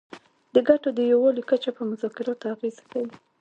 د ګټو د یووالي کچه په مذاکراتو اغیزه کوي